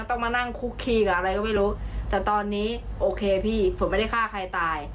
ต้องมานั่งคุกคีกับอะไรก็ไม่รู้แต่ตอนนี้โอเคพี่ฝนไม่ได้ฆ่าใครตาย